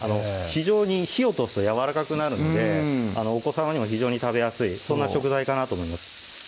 非常に火を通すとやわらかくなるのでお子さまにも非常に食べやすいそんな食材かなと思います